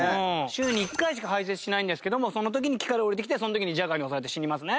週に一回しか排泄しないんですけどもその時に木から下りてきてその時にジャガーに襲われて死にますね。